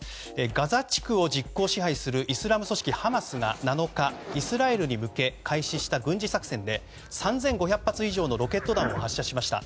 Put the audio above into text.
ガザ地区を実効支配するイスラム組織ハマスが７日、イスラエルに向け開始した軍事作戦で３５００発以上のロケット弾を発射しました。